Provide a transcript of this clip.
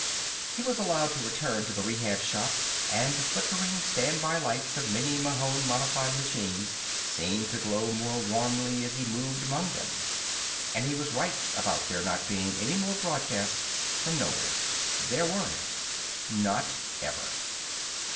He was allowed to return to the Rehab Shop, and the flickering standby lights of many Mahon modified machines seemed to glow more warmly as he moved among them. And he was right about there not being any more broadcasts from nowhere. There weren't. Not ever.